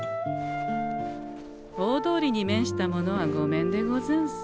大通りに面したものはごめんでござんす。